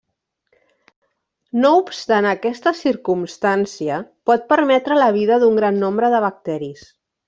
No obstant aquesta circumstància, pot permetre la vida d'un gran nombre de bacteris.